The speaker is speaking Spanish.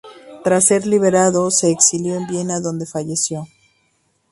Tras ser liberado se exilió en Viena donde falleció.